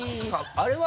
あれは？